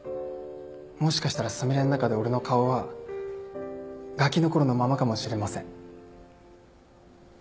もしかしたらすみれん中で俺の顔はガキの頃のままかもしれません。